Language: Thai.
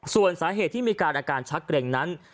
ส่วนสาเหตุที่มีการอาการชักเกร็งนั้น